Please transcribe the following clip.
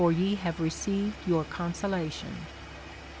ye have received your consolation.